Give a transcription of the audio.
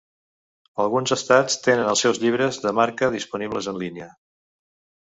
Alguns estats tenen els seus llibres de marca disponibles en línia.